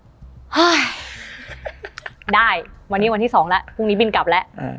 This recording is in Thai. ฮะได้วันนี้วันที่สองแล้วพรุ่งนี้บินกลับแล้ว